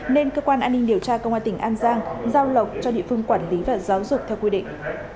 nên cơ quan an ninh điều tra công an tỉnh an giang giao lộc cho địa phương quản lý và giáo dục theo quy định